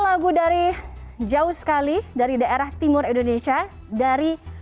lagu dari jauh sekali dari daerah timur indonesia dari